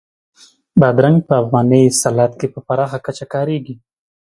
بادرنګ په افغاني سالاد کې په پراخه کچه کارېږي.